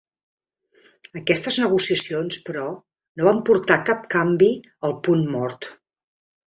Aquestes negociacions, però, no van portar cap canvi al punt mort.